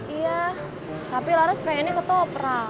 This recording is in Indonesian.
iya tapi laras pengennya ketoprak